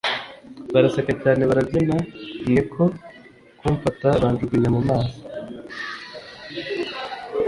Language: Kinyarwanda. baraseka cyane barabyina niko kumfata banjugunya mumazi